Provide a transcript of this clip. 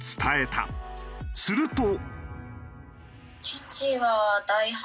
すると。